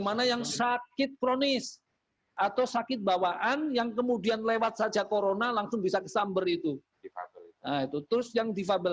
cnn indonesia prime news akan kembali usaha jeda